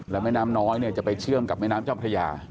แล้วแม่น้ำน้อยจะไปเชื่อมกับแม่น้ำเจ้าพระยา